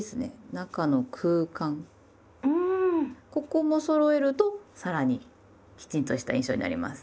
ここもそろえるとさらにきちんとした印象になります。